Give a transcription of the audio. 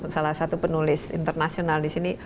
salah satu penulis internasional disini